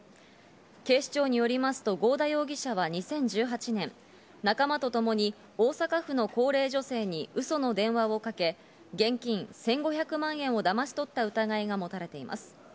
警視庁によりますと合田容疑者は２０１８年、仲間とともに大阪府の高齢女性に嘘の電話をかけ、現金１５００万円をだまし取った疑いが持たれています。